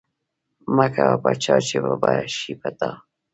مکوه په چا چی وبه شی په تا